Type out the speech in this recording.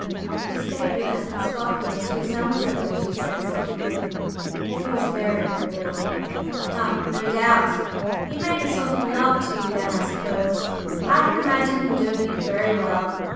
"He stayed with us in Scotland two summers ago," she said softly. "He was very agreeable. …" "Ha! No doubt! He made a sort of love to you then, I suppose. I can imagine him doing it very well!